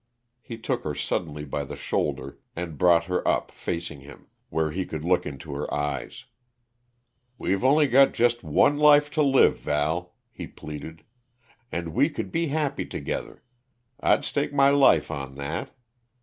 He took her suddenly by the shoulder and brought her up, facing him, where he could look into her eyes. "We've only got just one life to live, Val!" he pleaded. "And we could be happy together I'd stake my life on that.